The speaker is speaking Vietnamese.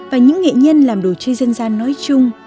và những nghệ nhân làm đồ chơi dân gian nói chung